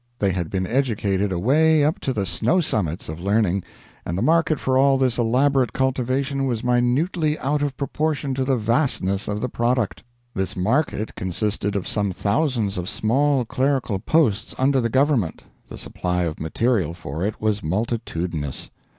They had been educated away up to the snow summits of learning and the market for all this elaborate cultivation was minutely out of proportion to the vastness of the product. This market consisted of some thousands of small clerical posts under the government the supply of material for it was multitudinous.